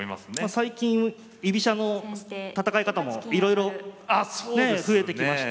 最近居飛車の戦い方もいろいろ増えてきまして。